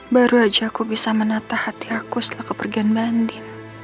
baru aja aku bisa menatah hati aku setelah kepergian banding